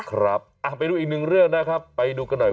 ครับไปดูอีกหนึ่งเรื่องนะครับไปดูกันหน่อย